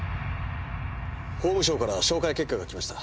法務省から照会結果がきました。